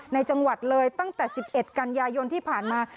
ในจังหวัดเลยตั้งแต่สิบเอ็ดกันยายนที่ผ่านมา